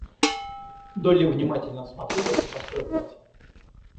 Долли внимательно осмотрела это простое платье.